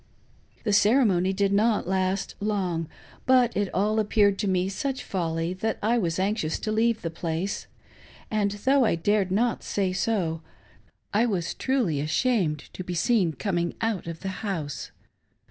The ceremony did not last long ; but it all appeared to me such folly that I was anxious to leave the place, and though I dared not say so, I was truly ashamed to be seen coming out of the House.